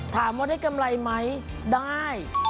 ถามว่าได้กำไรไหมได้